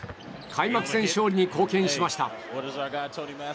開幕戦勝利に貢献しました。